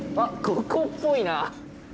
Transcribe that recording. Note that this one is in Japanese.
ここっぽいな。